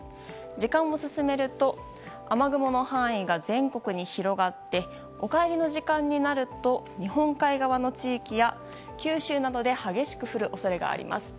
時間を進めると雨雲の範囲が全国に広がってお帰りの時間になると日本海側の地域や九州などで激しく降る恐れがあります。